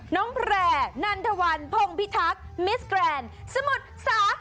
แพร่นันทวันพงพิทักษ์มิสแกรนด์สมุทรสา